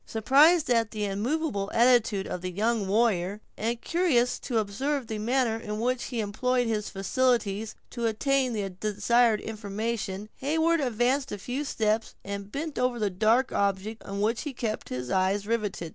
Surprised at the immovable attitude of the young warrior, and curious to observe the manner in which he employed his faculties to obtain the desired information, Heyward advanced a few steps, and bent over the dark object on which he had kept his eye riveted.